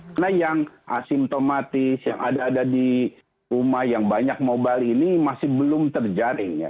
karena yang asimptomatis yang ada ada di rumah yang banyak mobil ini masih belum terjaring